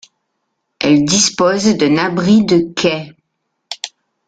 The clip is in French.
Elle dispose d'un abri de quai.